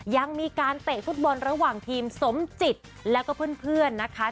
ยังมีการเตะฟุตบอลระหว่างทีมสมจิตแล้วก็เพื่อนนะคะ